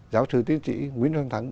giáo sư tiến trị nguyễn xuân thắng